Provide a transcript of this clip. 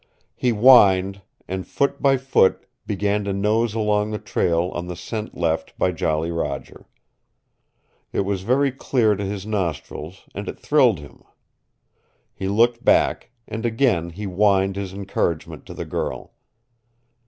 He whined, and foot by foot began to nose along the trail on the scent left by Jolly Roger. It was very clear to his nostrils, and it thrilled him. He looked back, and again he whined his encouragement to the girl.